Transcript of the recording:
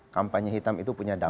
kampanye hitam itu punya dampak